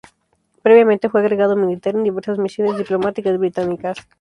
Previamente, fue agregado militar en diversas misiones diplomáticas británicas.